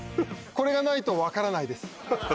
これがないと分からないです